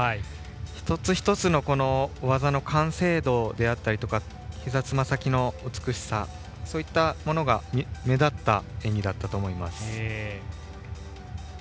一つ一つの技の完成度であったりひざ、つま先の美しさそういったものが目立った演技だったと思います。